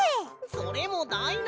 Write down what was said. それもだいなし！